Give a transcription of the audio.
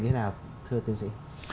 như thế nào thưa tiến sĩ